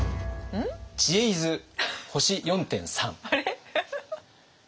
「知恵泉星４．３」。